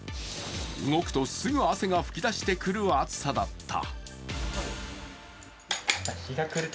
動くとすぐ汗が噴き出してくる暑さだった。